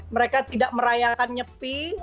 mereka tidak merayakan nyepi